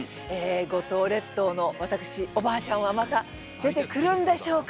五島列島のわたくしおばあちゃんはまた出てくるんでしょうか？